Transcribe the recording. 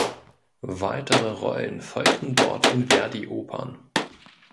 Weitere Rollen folgten dort in Verdi-Opern.